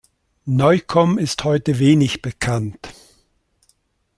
Neukomm ist heute wenig bekannt.